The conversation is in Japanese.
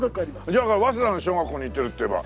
じゃあ早稲田の小学校に行ってるって言えば。